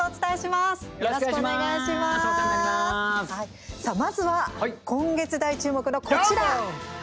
まずは今月大注目のこちらＦＩＦＡ